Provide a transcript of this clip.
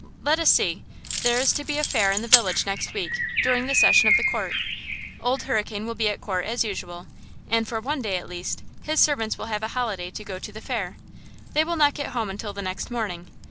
Let us see! There is to be a fair in the village next week, during the session of the court. Old Hurricane will be at court as usual. And for one day, at least, his servants will have a holiday to go to the fair. They will not get home until the next morning.